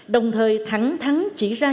đồng thời thẳng thắng chỉ ra